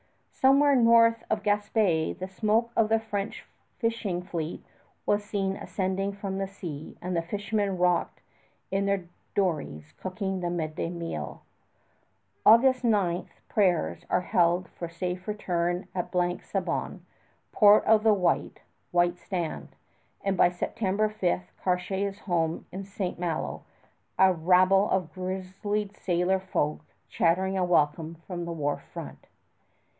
Somewhere north of Gaspé the smoke of the French fishing fleet was seen ascending from the sea, as the fishermen rocked in their dories cooking the midday meal. August 9 prayers are held for safe return at Blanc Sablon, port of the white, white sand, and by September 5 Cartier is home in St. Malo, a rabble of grizzled sailor folk chattering a welcome from the wharf front.